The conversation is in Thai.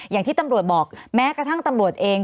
อย่างที่ตำรวจบอกแม้กระทั่งตำรวจเอง